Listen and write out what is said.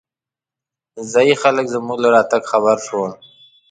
ځايي خلک زمونږ له راتګ خبر شول.